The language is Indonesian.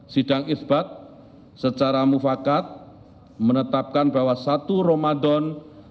sidang isbat secara mufakat menetapkan bahwa satu ramadan